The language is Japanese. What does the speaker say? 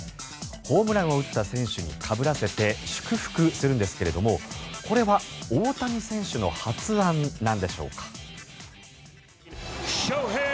ホームランを打った選手にかぶらせて祝福するんですけれどこれは大谷選手の発案なんでしょうか？